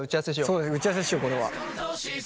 そうね打ち合わせしようこれは。